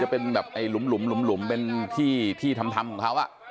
มันจะเป็นแบบลุ้มเป็นพี่ท่ำของเขา